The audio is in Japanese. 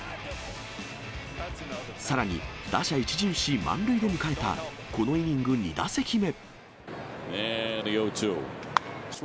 さらに、打者一巡し、満塁で迎えたこのイニング２打席目。